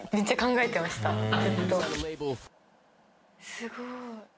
すごーい。